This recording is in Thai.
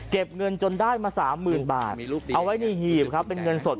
เงินจนได้มาสามหมื่นบาทเอาไว้ในหีบครับเป็นเงินสด